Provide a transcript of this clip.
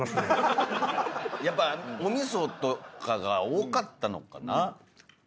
やっぱおみそとかが多かったのかな？